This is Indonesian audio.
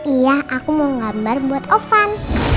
iya aku mau gambar buat ovan